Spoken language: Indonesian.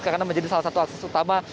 karena menjadi salah satu akses utama